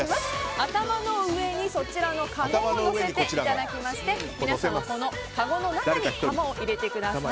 頭の上にかごを乗せていただきまして皆さんはこのかごの中に球を入れてください。